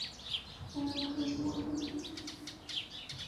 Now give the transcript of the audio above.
没有人可以经过这里！